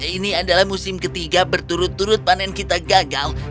ini adalah musim ketiga berturut turut panen kita gagal